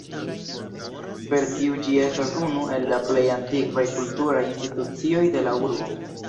Per tio ĝi estas unu el la plej antikvaj kulturaj institucioj de la urbo.